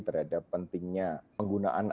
terhadap pentingnya penggunaan